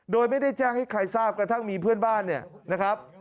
โดยไม่ได้แจ้งให้ใครทราบกระทั่งมีเพื่อนบ้านเนี่ยนะครับ